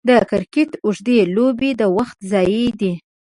د کرکټ اوږدې لوبې د وخت ضايع دي.